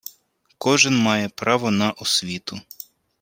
Кожен має право на освіту